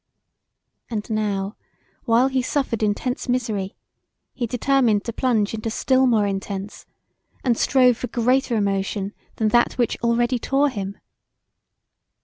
And now while he suffered intense misery he determined to plunge into still more intense, and strove for greater emotion than that which already tore him.